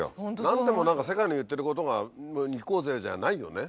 何でも世界の言ってることが「いこうぜ」じゃないよね。